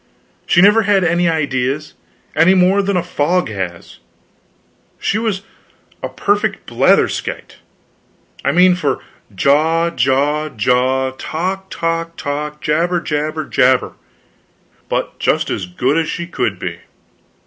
She never had any ideas, any more than a fog has. She was a perfect blatherskite; I mean for jaw, jaw, jaw, talk, talk, talk, jabber, jabber, jabber; but just as good as she could be.